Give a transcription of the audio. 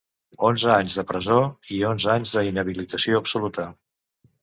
Onze anys de presó i onze anys d’inhabilitació absoluta.